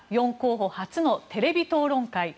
４候補初のテレビ討論会。